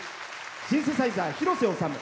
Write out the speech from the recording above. シンセサイザー、広瀬修。